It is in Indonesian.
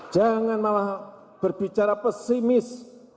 jangan malah berbicara pesimis